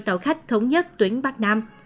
tàu khách thống nhất tuyến bắc nam